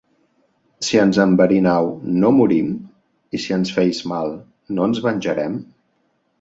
Si ens enverinau, no morim? I si ens feis mal, no ens venjarem?